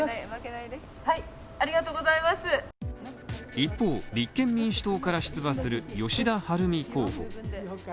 一方、立憲民主党から出馬する吉田晴美候補。